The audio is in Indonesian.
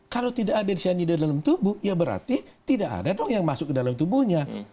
kalau tidak ada cyanida dalam tubuh ya berarti tidak ada dong yang masuk ke dalam tubuhnya